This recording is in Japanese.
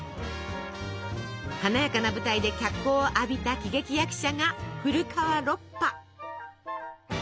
華やかな舞台で脚光を浴びた喜劇役者が古川ロッパ。